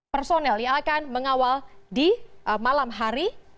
personel yang akan mengawal di malam hari